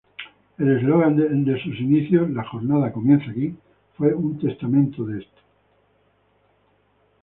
El eslogan de sus inicios, "La jornada comienza aquí", fue un testamento de esto.